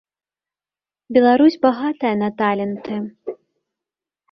Беларусь багатая на таленты.